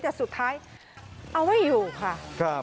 แต่สุดท้ายเอาไว้อยู่ค่ะครับ